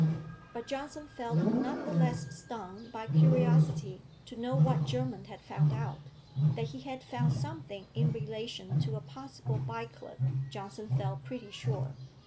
But Johnson felt not the less stung by curiosity to know what Jermyn had found out: that he had found something in relation to a possible Bycliffe, Johnson felt pretty sure.